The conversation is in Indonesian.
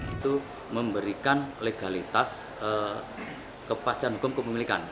itu memberikan legalitas kepastian hukum kepemilikan